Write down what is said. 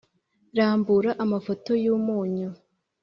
rambura amafoto yumunyu,